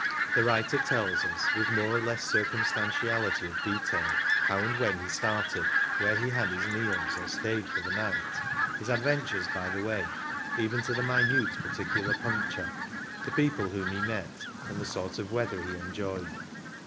The writer tells us, with more or less circum stantiality of detail, how and when he started ; where he had his meals or stayed for the night ; his adventures by the vay, even to each minute particular puncture ; the people whom he met, and the sort of weather he enjoyed.